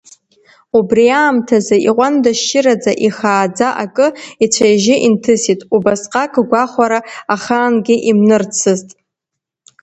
Убри аамҭазы, иҟәандашьшьыраӡа ихааӡа акы ицәа-ижьы инҭысит, убасҟак гәахәара ахаангьы имнырцызт.